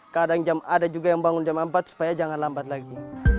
kadang ada juga yang bangun jam empat supaya jangan lambat lagi